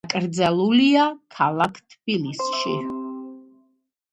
დაკრძალულია ქალაქ თბილისში.